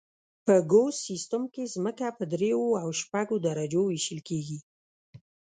په ګوس سیستم کې ځمکه په دریو او شپږو درجو ویشل کیږي